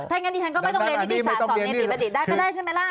ถ้างั้นดิฉันก็ไม่ต้องเรียนนิติศาสตร์สอนเนติบัณฑิตได้ก็ได้ใช่ไหมล่ะ